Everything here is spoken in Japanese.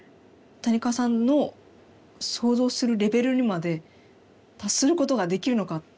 谷川さんの想像するレベルにまで達することができるのか。